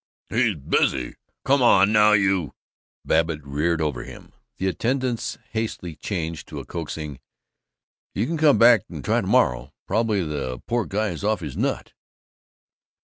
"He's busy. Come on, now, you " Babbitt reared over him. The attendant hastily changed to a coaxing "You can come back and try to morrow. Probably the poor guy is off his nut."